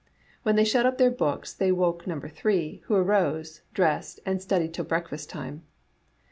When they shut up their books they woke number three, who arose, dressed, and studied till breakfast time.